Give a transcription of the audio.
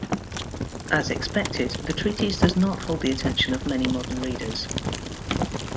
As expected, the treatise does not hold the attention of many modern readers.